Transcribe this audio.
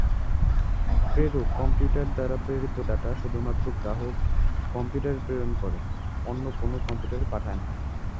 প্রেরক কম্পিউটার দ্বারা প্রেরিত ডাটা শুধুমাত্র গ্রাহক কম্পিউটারে প্রেরণ করে অন্য কোনো কম্পিউটারে পাঠায় না।